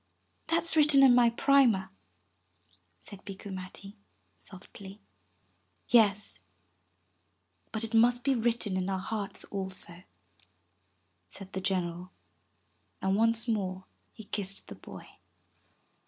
"That's written in my primer," said Bikku Matti softly. "Yes, but it must be written in our hearts also," said the general, and once more he kissed the boy.